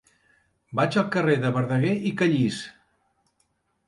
Vaig al carrer de Verdaguer i Callís.